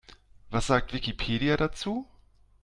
Was sagt Wikipedia dazu?